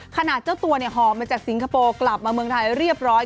เจ้าตัวหอบมาจากสิงคโปร์กลับมาเมืองไทยเรียบร้อย